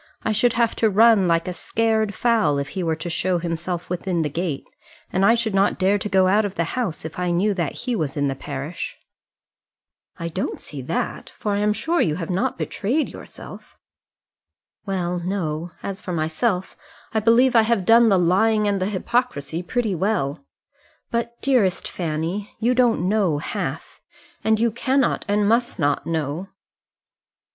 I should have to run like a scared fowl if he were to show himself within the gate; and I should not dare to go out of the house, if I knew that he was in the parish." "I don't see that, for I am sure you have not betrayed yourself." "Well, no; as for myself, I believe I have done the lying and the hypocrisy pretty well. But, dearest Fanny, you don't know half; and you cannot and must not know."